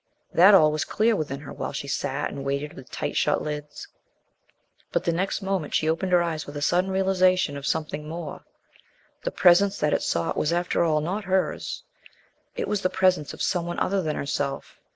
That all was clear within her while she sat and waited with tight shut lids. But the next moment she opened her eyes with a sudden realization of something more. The presence that it sought was after all not hers. It was the presence of some one other than herself.